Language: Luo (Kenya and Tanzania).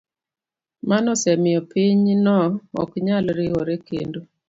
Mano osemiyo piny no ok nyal riwore kendo.